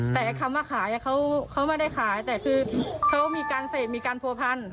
แต่คำว่าขายเขาไม่ได้ขายแต่คือเขามีการเสพมีการผัวพัน